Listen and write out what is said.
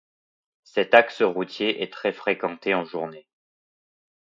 Cet axe routier est très fréquenté en journée.